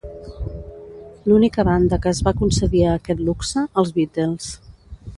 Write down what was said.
L'única banda que es va concedir a aquest luxe, els Beatles.